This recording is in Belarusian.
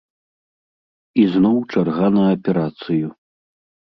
І зноў чарга на аперацыю.